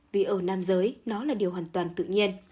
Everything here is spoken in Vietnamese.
vì ở nam giới nó là điều hoàn toàn tự nhiên